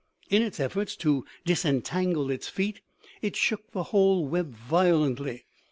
In its efforts to disentangle its feet, it shook the whole web violently.